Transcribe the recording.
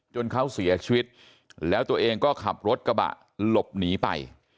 เขาเสียชีวิตแล้วตัวเองก็ขับรถกระบะหลบหนีไป